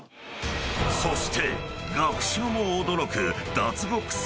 ［そして学者も驚く］